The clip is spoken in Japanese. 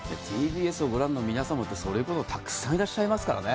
ＴＢＳを御覧の皆様って、それほどたくさんいらっしゃいますからね。